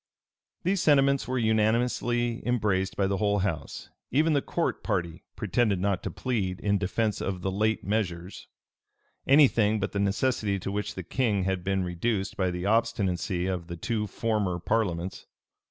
[*] These sentiments were unanimously embraced by the whole house. Even the court party pretended not to plead, in defence of the late measures, any thing but the necessity to which the king had been reduced by the obstinacy of the two former parliaments.